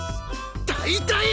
だいたい！